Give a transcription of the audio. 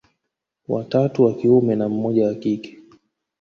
Watatu wa kiume na mmoja wa kike